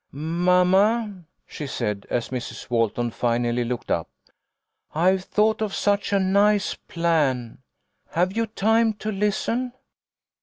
"Mamma," she said, as Mrs. Walton finally looked up, " I've thought of such a nice plan. Have you time to listen